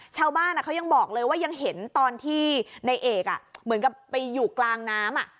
ชาวบ้านเขายังบอกเลยว่ายังเห็นตอนที่ในเอกเหมือนกับไปอยู่กลางน้ำ